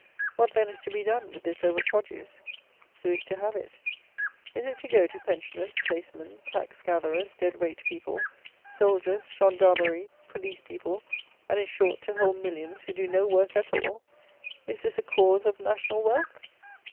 What, then, is to be done with this over produce? Who is to have it? Is it to go to pensioners, placemen, tax gatherers, dead weight people, soldiers, gendarmerie, police people, and, in short, to whole millions who do no work at all? Is this a cause of "national wealth"?